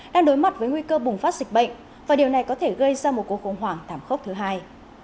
đang đối mặt với nguy cơ bùng phát dịch bệnh và điều này có thể gây ra một cuộc khủng hoảng thảm khốc thứ hai